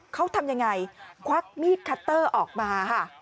เขาทำยังไงควักมีดคัตเตอร์ออกมาค่ะ